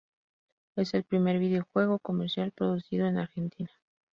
Es el primer videojuego comercial producido en Argentina.